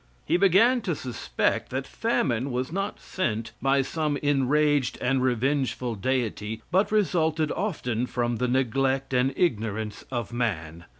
He began to suspect that famine was not sent by some enraged and revengeful deity but resulted often from the neglect and ignorance of man.